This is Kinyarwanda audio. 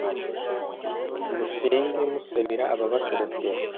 Mt musenge musabira ababatoteza